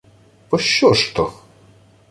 — Пощо ж то?